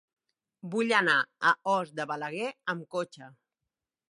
Vull anar a Os de Balaguer amb cotxe.